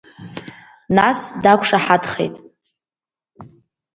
Нас дақәшаҳаҭхеит.